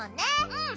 うん。